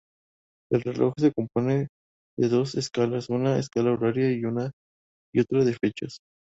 El reloj se compone de dos escalas, una escala horaria y otra de fechas.